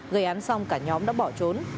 gây án xong cả nhóm đã bỏ trốn